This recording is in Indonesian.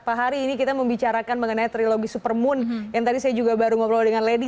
pak hari ini kita membicarakan mengenai trilogi supermoon yang tadi saya juga baru ngobrol dengan lady